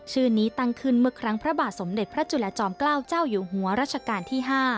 ชื่อนี้ตั้งขึ้นเมื่อครั้งพระบาทสมเด็จพระจุลจอมเกล้าเจ้าอยู่หัวรัชกาลที่๕